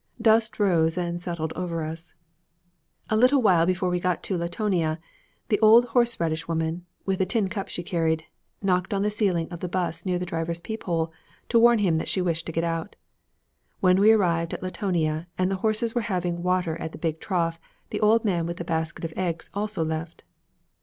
Dust rose and settled over us. A little while before we got to Latonia, the old horse radish woman, with a tin cup she carried, knocked on the ceiling of the 'bus near the driver's peep hole, to warn him that she wished to get out. When we arrived at Latonia and the horses were having water at the big trough, the old man with the basket of eggs also left.